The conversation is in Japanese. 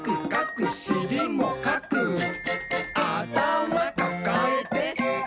「あたまかかえて」